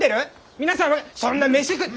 皆さんそんな飯食って！